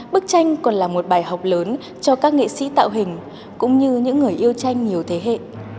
bức tranh còn là một bài học lớn cho các nghệ sĩ tạo hình cũng như những người yêu tranh nhiều thế hệ